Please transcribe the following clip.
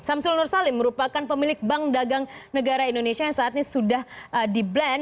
syamsul nursalim merupakan pemilik bank dagang negara indonesia yang saat ini sudah di blend